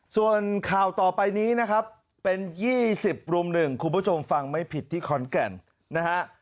ส่วนข่าวต่อไปนี้นะครับเป็น๒๐รุ่ม๑คุณผู้ชมฟังไม่ผิดที่ขอนแก่นนะฮะ